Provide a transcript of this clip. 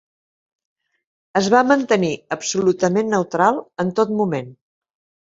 Es va mantenir absolutament neutral en tot moment.